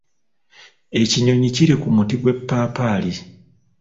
Ekinyonyi kiri ku muti gw'epapaali.